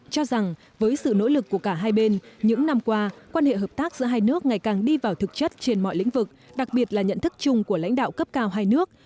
cho rằng với sự nỗ lực của cả hai bên những năm qua quan hệ hợp tác giữa hai nước ngày càng đi vào thực chất trên mọi lĩnh vực đặc biệt là nhận thức chung của lãnh đạo cấp cao hai nước